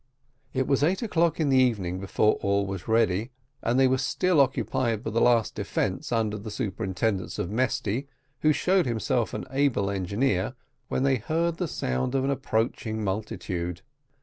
It was eight o'clock in the evening before all was ready, and they were still occupied with the last defence, under the superintendence of Mesty, who showed himself an able engineer, when they heard the sound of an approaching multitude.